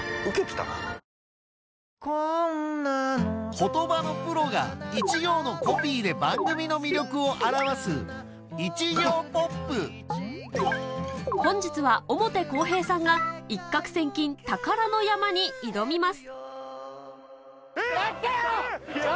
言葉のプロが一行のコピーで番組の魅力を表す本日は表公平さんが『一攫千金宝の山』に挑みます